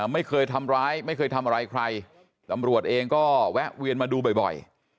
ไม่เคยทำร้ายไม่เคยทำอะไรใครตำรวจเองก็แวะเวียนมาดูบ่อย